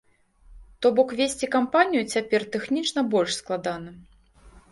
То бок весці кампанію цяпер тэхнічна больш складана.